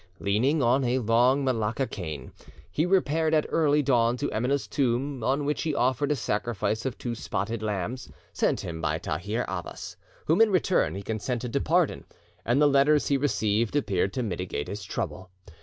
Leaning on a long Malacca cane, he repaired at early dawn to Emineh's tomb, on which he offered a sacrifice of two spotted lambs, sent him by Tahir Abbas, whom in return he consented to pardon, and the letters he received appeared to mitigate his trouble.